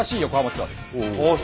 ああ